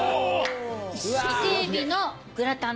伊勢海老グラタン！